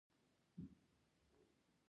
ښايي دواړه د ګډ ژوند په لور د حرکت دلایل وي